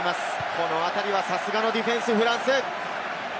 このあたりはさすがのディフェンス、フランス。